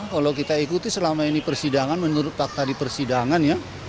kalau kita ikuti selama ini persidangan menurut fakta di persidangan ya